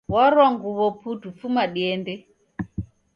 Warwa nguw'o putu fuma diende